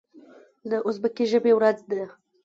د ازبکي ژبې ورځ ده.